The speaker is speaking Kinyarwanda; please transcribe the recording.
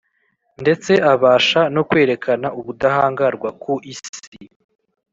ndetse abasha no kwerekana ubudahangarwa ku isi